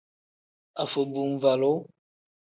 Afobuvalu.